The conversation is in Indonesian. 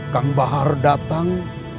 kang bahar datang